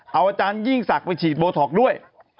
เอาอาจารยิ่งศักดิ์ไปฉีดโบท็อกด้วย